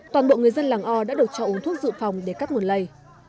toàn bộ người dân làng o đã được cho uống thuốc dự phòng để cắt nguồn lây